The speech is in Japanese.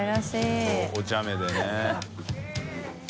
修おちゃめでね。